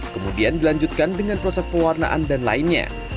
kemudian dilanjutkan dengan proses pewarnaan dan lainnya